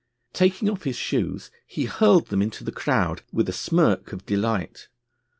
Taking off his shoes, he hurled them into the crowd, with a smirk of delight.